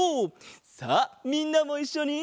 さあみんなもいっしょに！